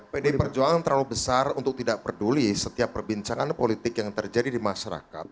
pdi perjuangan terlalu besar untuk tidak peduli setiap perbincangan politik yang terjadi di masyarakat